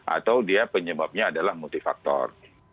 atau dia penyebabnya adalah multifaktor